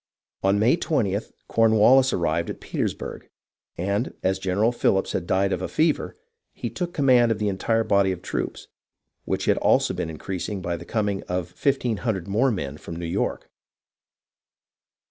On May 20th, Cornwallis arrived at Petersburg and, as General Philips had died of a fever, he took command of the entire body of troops, which had also been increased by the coming of 1 500 more men from New York.